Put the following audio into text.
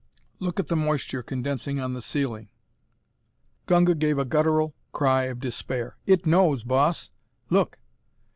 Look at the moisture condensing on the ceiling!" Gunga gave a guttural cry of despair. "It knows, Boss; look!"